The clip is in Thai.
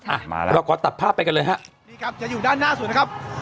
อ่ะมาแล้วเราขอตัดภาพไปกันเลยฮะนี่ครับจะอยู่ด้านหน้าสุดนะครับ